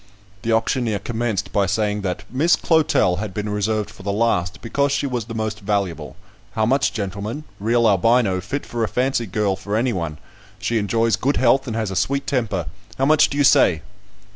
The auctioneer commenced by saying, that "Miss Clotel had been reserved for the last, because she was the most valuable. How much, gentlemen? Real Albino, fit for a fancy girl for any one. She enjoys good health, and has a sweet temper. How much do you say?"